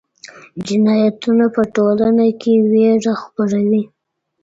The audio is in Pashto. جنایتونه په ټولنه کې ویره خپروي.